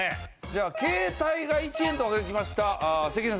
じゃあ「携帯が１円」と書きました関根さん。